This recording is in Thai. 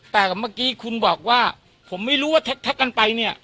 แต่เมื่อกี้คุณบอกว่าผมไม่รู้ว่าแท็กกันไปเนี่ย